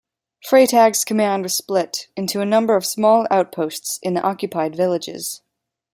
Freytag's command was split into a number of small outposts in the occupied villages.